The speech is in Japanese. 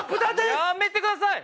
やめてください！